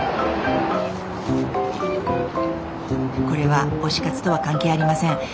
これは推し活とは関係ありません。